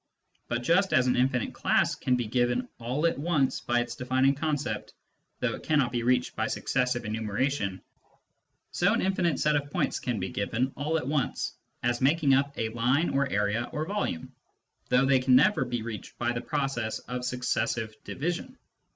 But just as an infinite class can be given all at once by its defining concept, though it cannot be reached by successive enumeration, so an infinite set of points can be given all at once as making up a line or area or volume, though they can never be reached by the process of successive division.